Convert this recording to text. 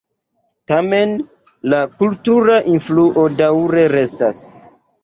Tamen, la kultura influo daŭre restas.